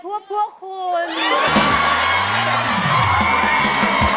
ครับมีแฟนเขาเรียกร้อง